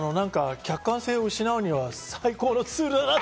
客観性を失うには最高のツールだなって。